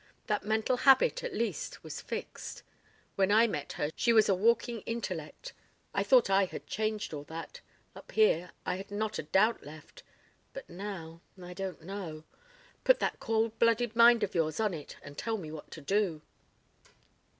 That mental habit, at least, was fixed. When I met her she was a walking intellect. ... I thought I had changed all that ... up here I had not a doubt left ... but now ... I don't know. ... Put that cold blooded mind of yours on it and tell me what to do."